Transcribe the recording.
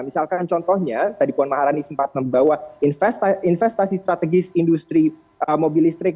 misalkan contohnya tadi puan maharani sempat membawa investasi strategis industri mobil listrik